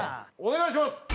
お願いします！